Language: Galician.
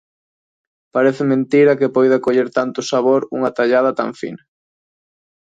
Parece mentira que poida coller tanto sabor unha tallada tan fina